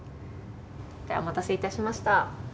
お待たせいたしました。